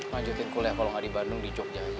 manjutin kuliah kalau nggak di bandung di jogja aja